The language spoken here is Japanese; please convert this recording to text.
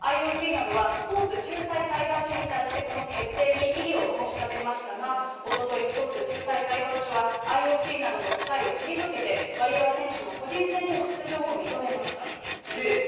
ＩＯＣなどは、スポーツ仲裁裁判所に対して、この決定に異議を申し立てましたが、おととい、スポーツ仲裁裁判所は、ＩＯＣなどの訴えを退けて、ワリエワ選手の個人戦での出場を認めました。